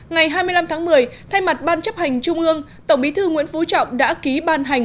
ngày hai mươi năm tháng một mươi thay mặt ban chấp hành trung ương tổng bí thư nguyễn phú trọng đã ký ban hành